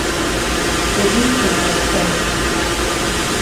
Sıdım khıxeç'eu?